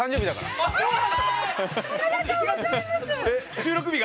収録日が。